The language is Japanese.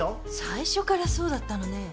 最初からそうだったのね。